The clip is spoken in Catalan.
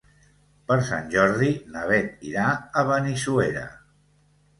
Per Sant Jordi na Beth irà a Benissuera.